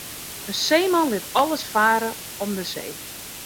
In seeman lit alles farre om de see.